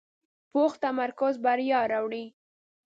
پوخ تمرکز بریا راوړي